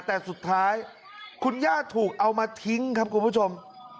แต่สุดท้ายคุณย่าถูกเอามาทิ้งครับคุณผู้ชม